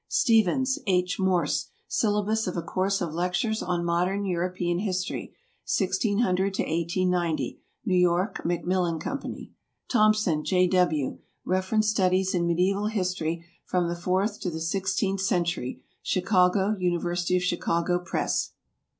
STEPHENS, H. MORSE. "Syllabus of a Course of Lectures on Modern European History, 1600 1890." New York, Macmillan Co. THOMPSON, J. W. "Reference Studies in Mediæval History (from the fourth to the sixteenth century)." Chicago, University of Chicago Press.